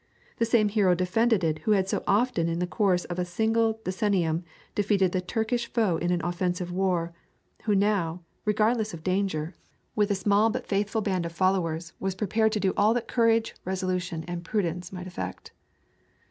The same hero defended it who had so often in the course of a single decennium defeated the Turkish foe in an offensive war, who now, regardless of danger, with a small but faithful band of followers, was prepared to do all that courage, resolution, and prudence might effect.